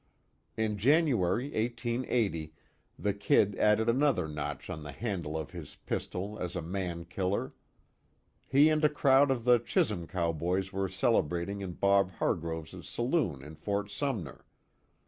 In January, 1880, the "Kid" added another notch on the handle of his pistol as a mankiller. He and a crowd of the Chisum cowboys were celebrating in Bob Hargroves' saloon in Fort Sumner.